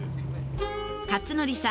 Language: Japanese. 克典さん